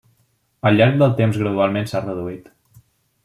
Al llarg del temps gradualment s'ha reduït.